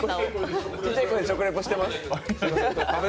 ちっちゃい声で食リポしてます。